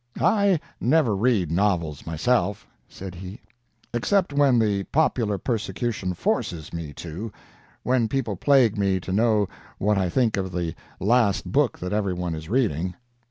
"I never read novels myself," said he, "except when the popular persecution forces me to—when people plague me to know what I think of the last book that every one is reading."